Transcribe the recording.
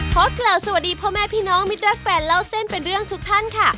ขอกล่าวสวัสดีพ่อแม่พี่น้องมิตรรักแฟนเล่าเส้นเป็นเรื่องทุกท่านค่ะ